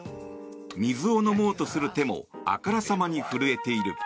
水を飲もうとする手もあからさまに震えている。